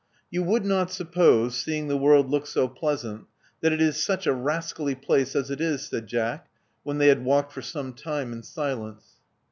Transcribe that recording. *'You would not suppose, seeing the world look so pleasant, that it is such a rascally place as it is," said Jack, when they had walked for some time in silence.